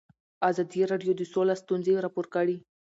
ازادي راډیو د سوله ستونزې راپور کړي.